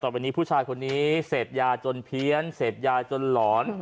ตอนนี้ผู้ชายคนนี้เสพยาจนเพี้ยนเสพยาจนหลอน